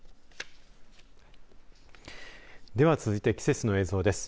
では、続いて季節の映像です。